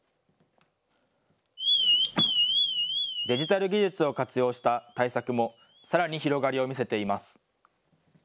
デジタル技術を活用した対策もさらに広がりを見せています。